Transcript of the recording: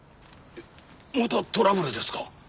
またトラブルですか？